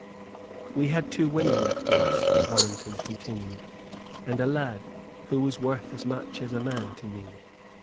"We had two women left to us," Warrenton continued, "and a lad, who was worth as much as a man to me.